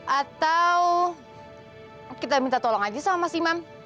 atau kita minta tolong aja sama mas imam